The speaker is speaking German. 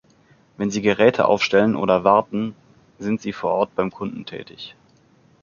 Wenn sie Geräte aufstellen oder warten, sind sie vor Ort beim Kunden tätig.